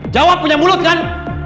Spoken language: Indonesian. jawab punya mulut kan